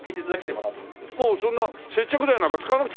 もうそんな接着剤なんか使わなくたっていいじゃん